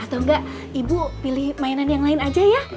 atau enggak ibu pilih mainan yang lain aja ya